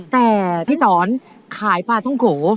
แต่พี่สอนขายปลาท่องโก